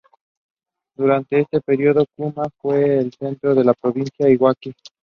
Durante este período, Kuma fue el centro de la Provincia de Iwaki.